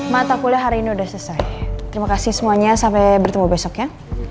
mata kuliah hari ini udah selesai terima kasih semuanya sampai bertemu besok ya